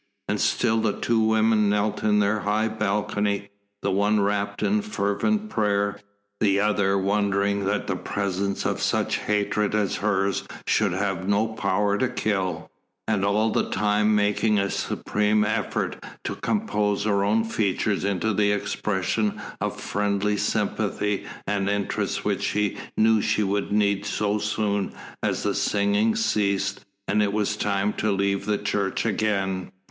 And still the two women knelt in their high balcony, the one rapt in fervent prayer, the other wondering that the presence of such hatred as hers should have no power to kill, and all the time making a supreme effort to compose her own features into the expression of friendly sympathy and interest which she knew she would need so soon as the singing ceased and it was time to leave the church again.